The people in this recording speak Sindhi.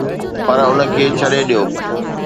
پر ان کي ڇڏي ڏيو.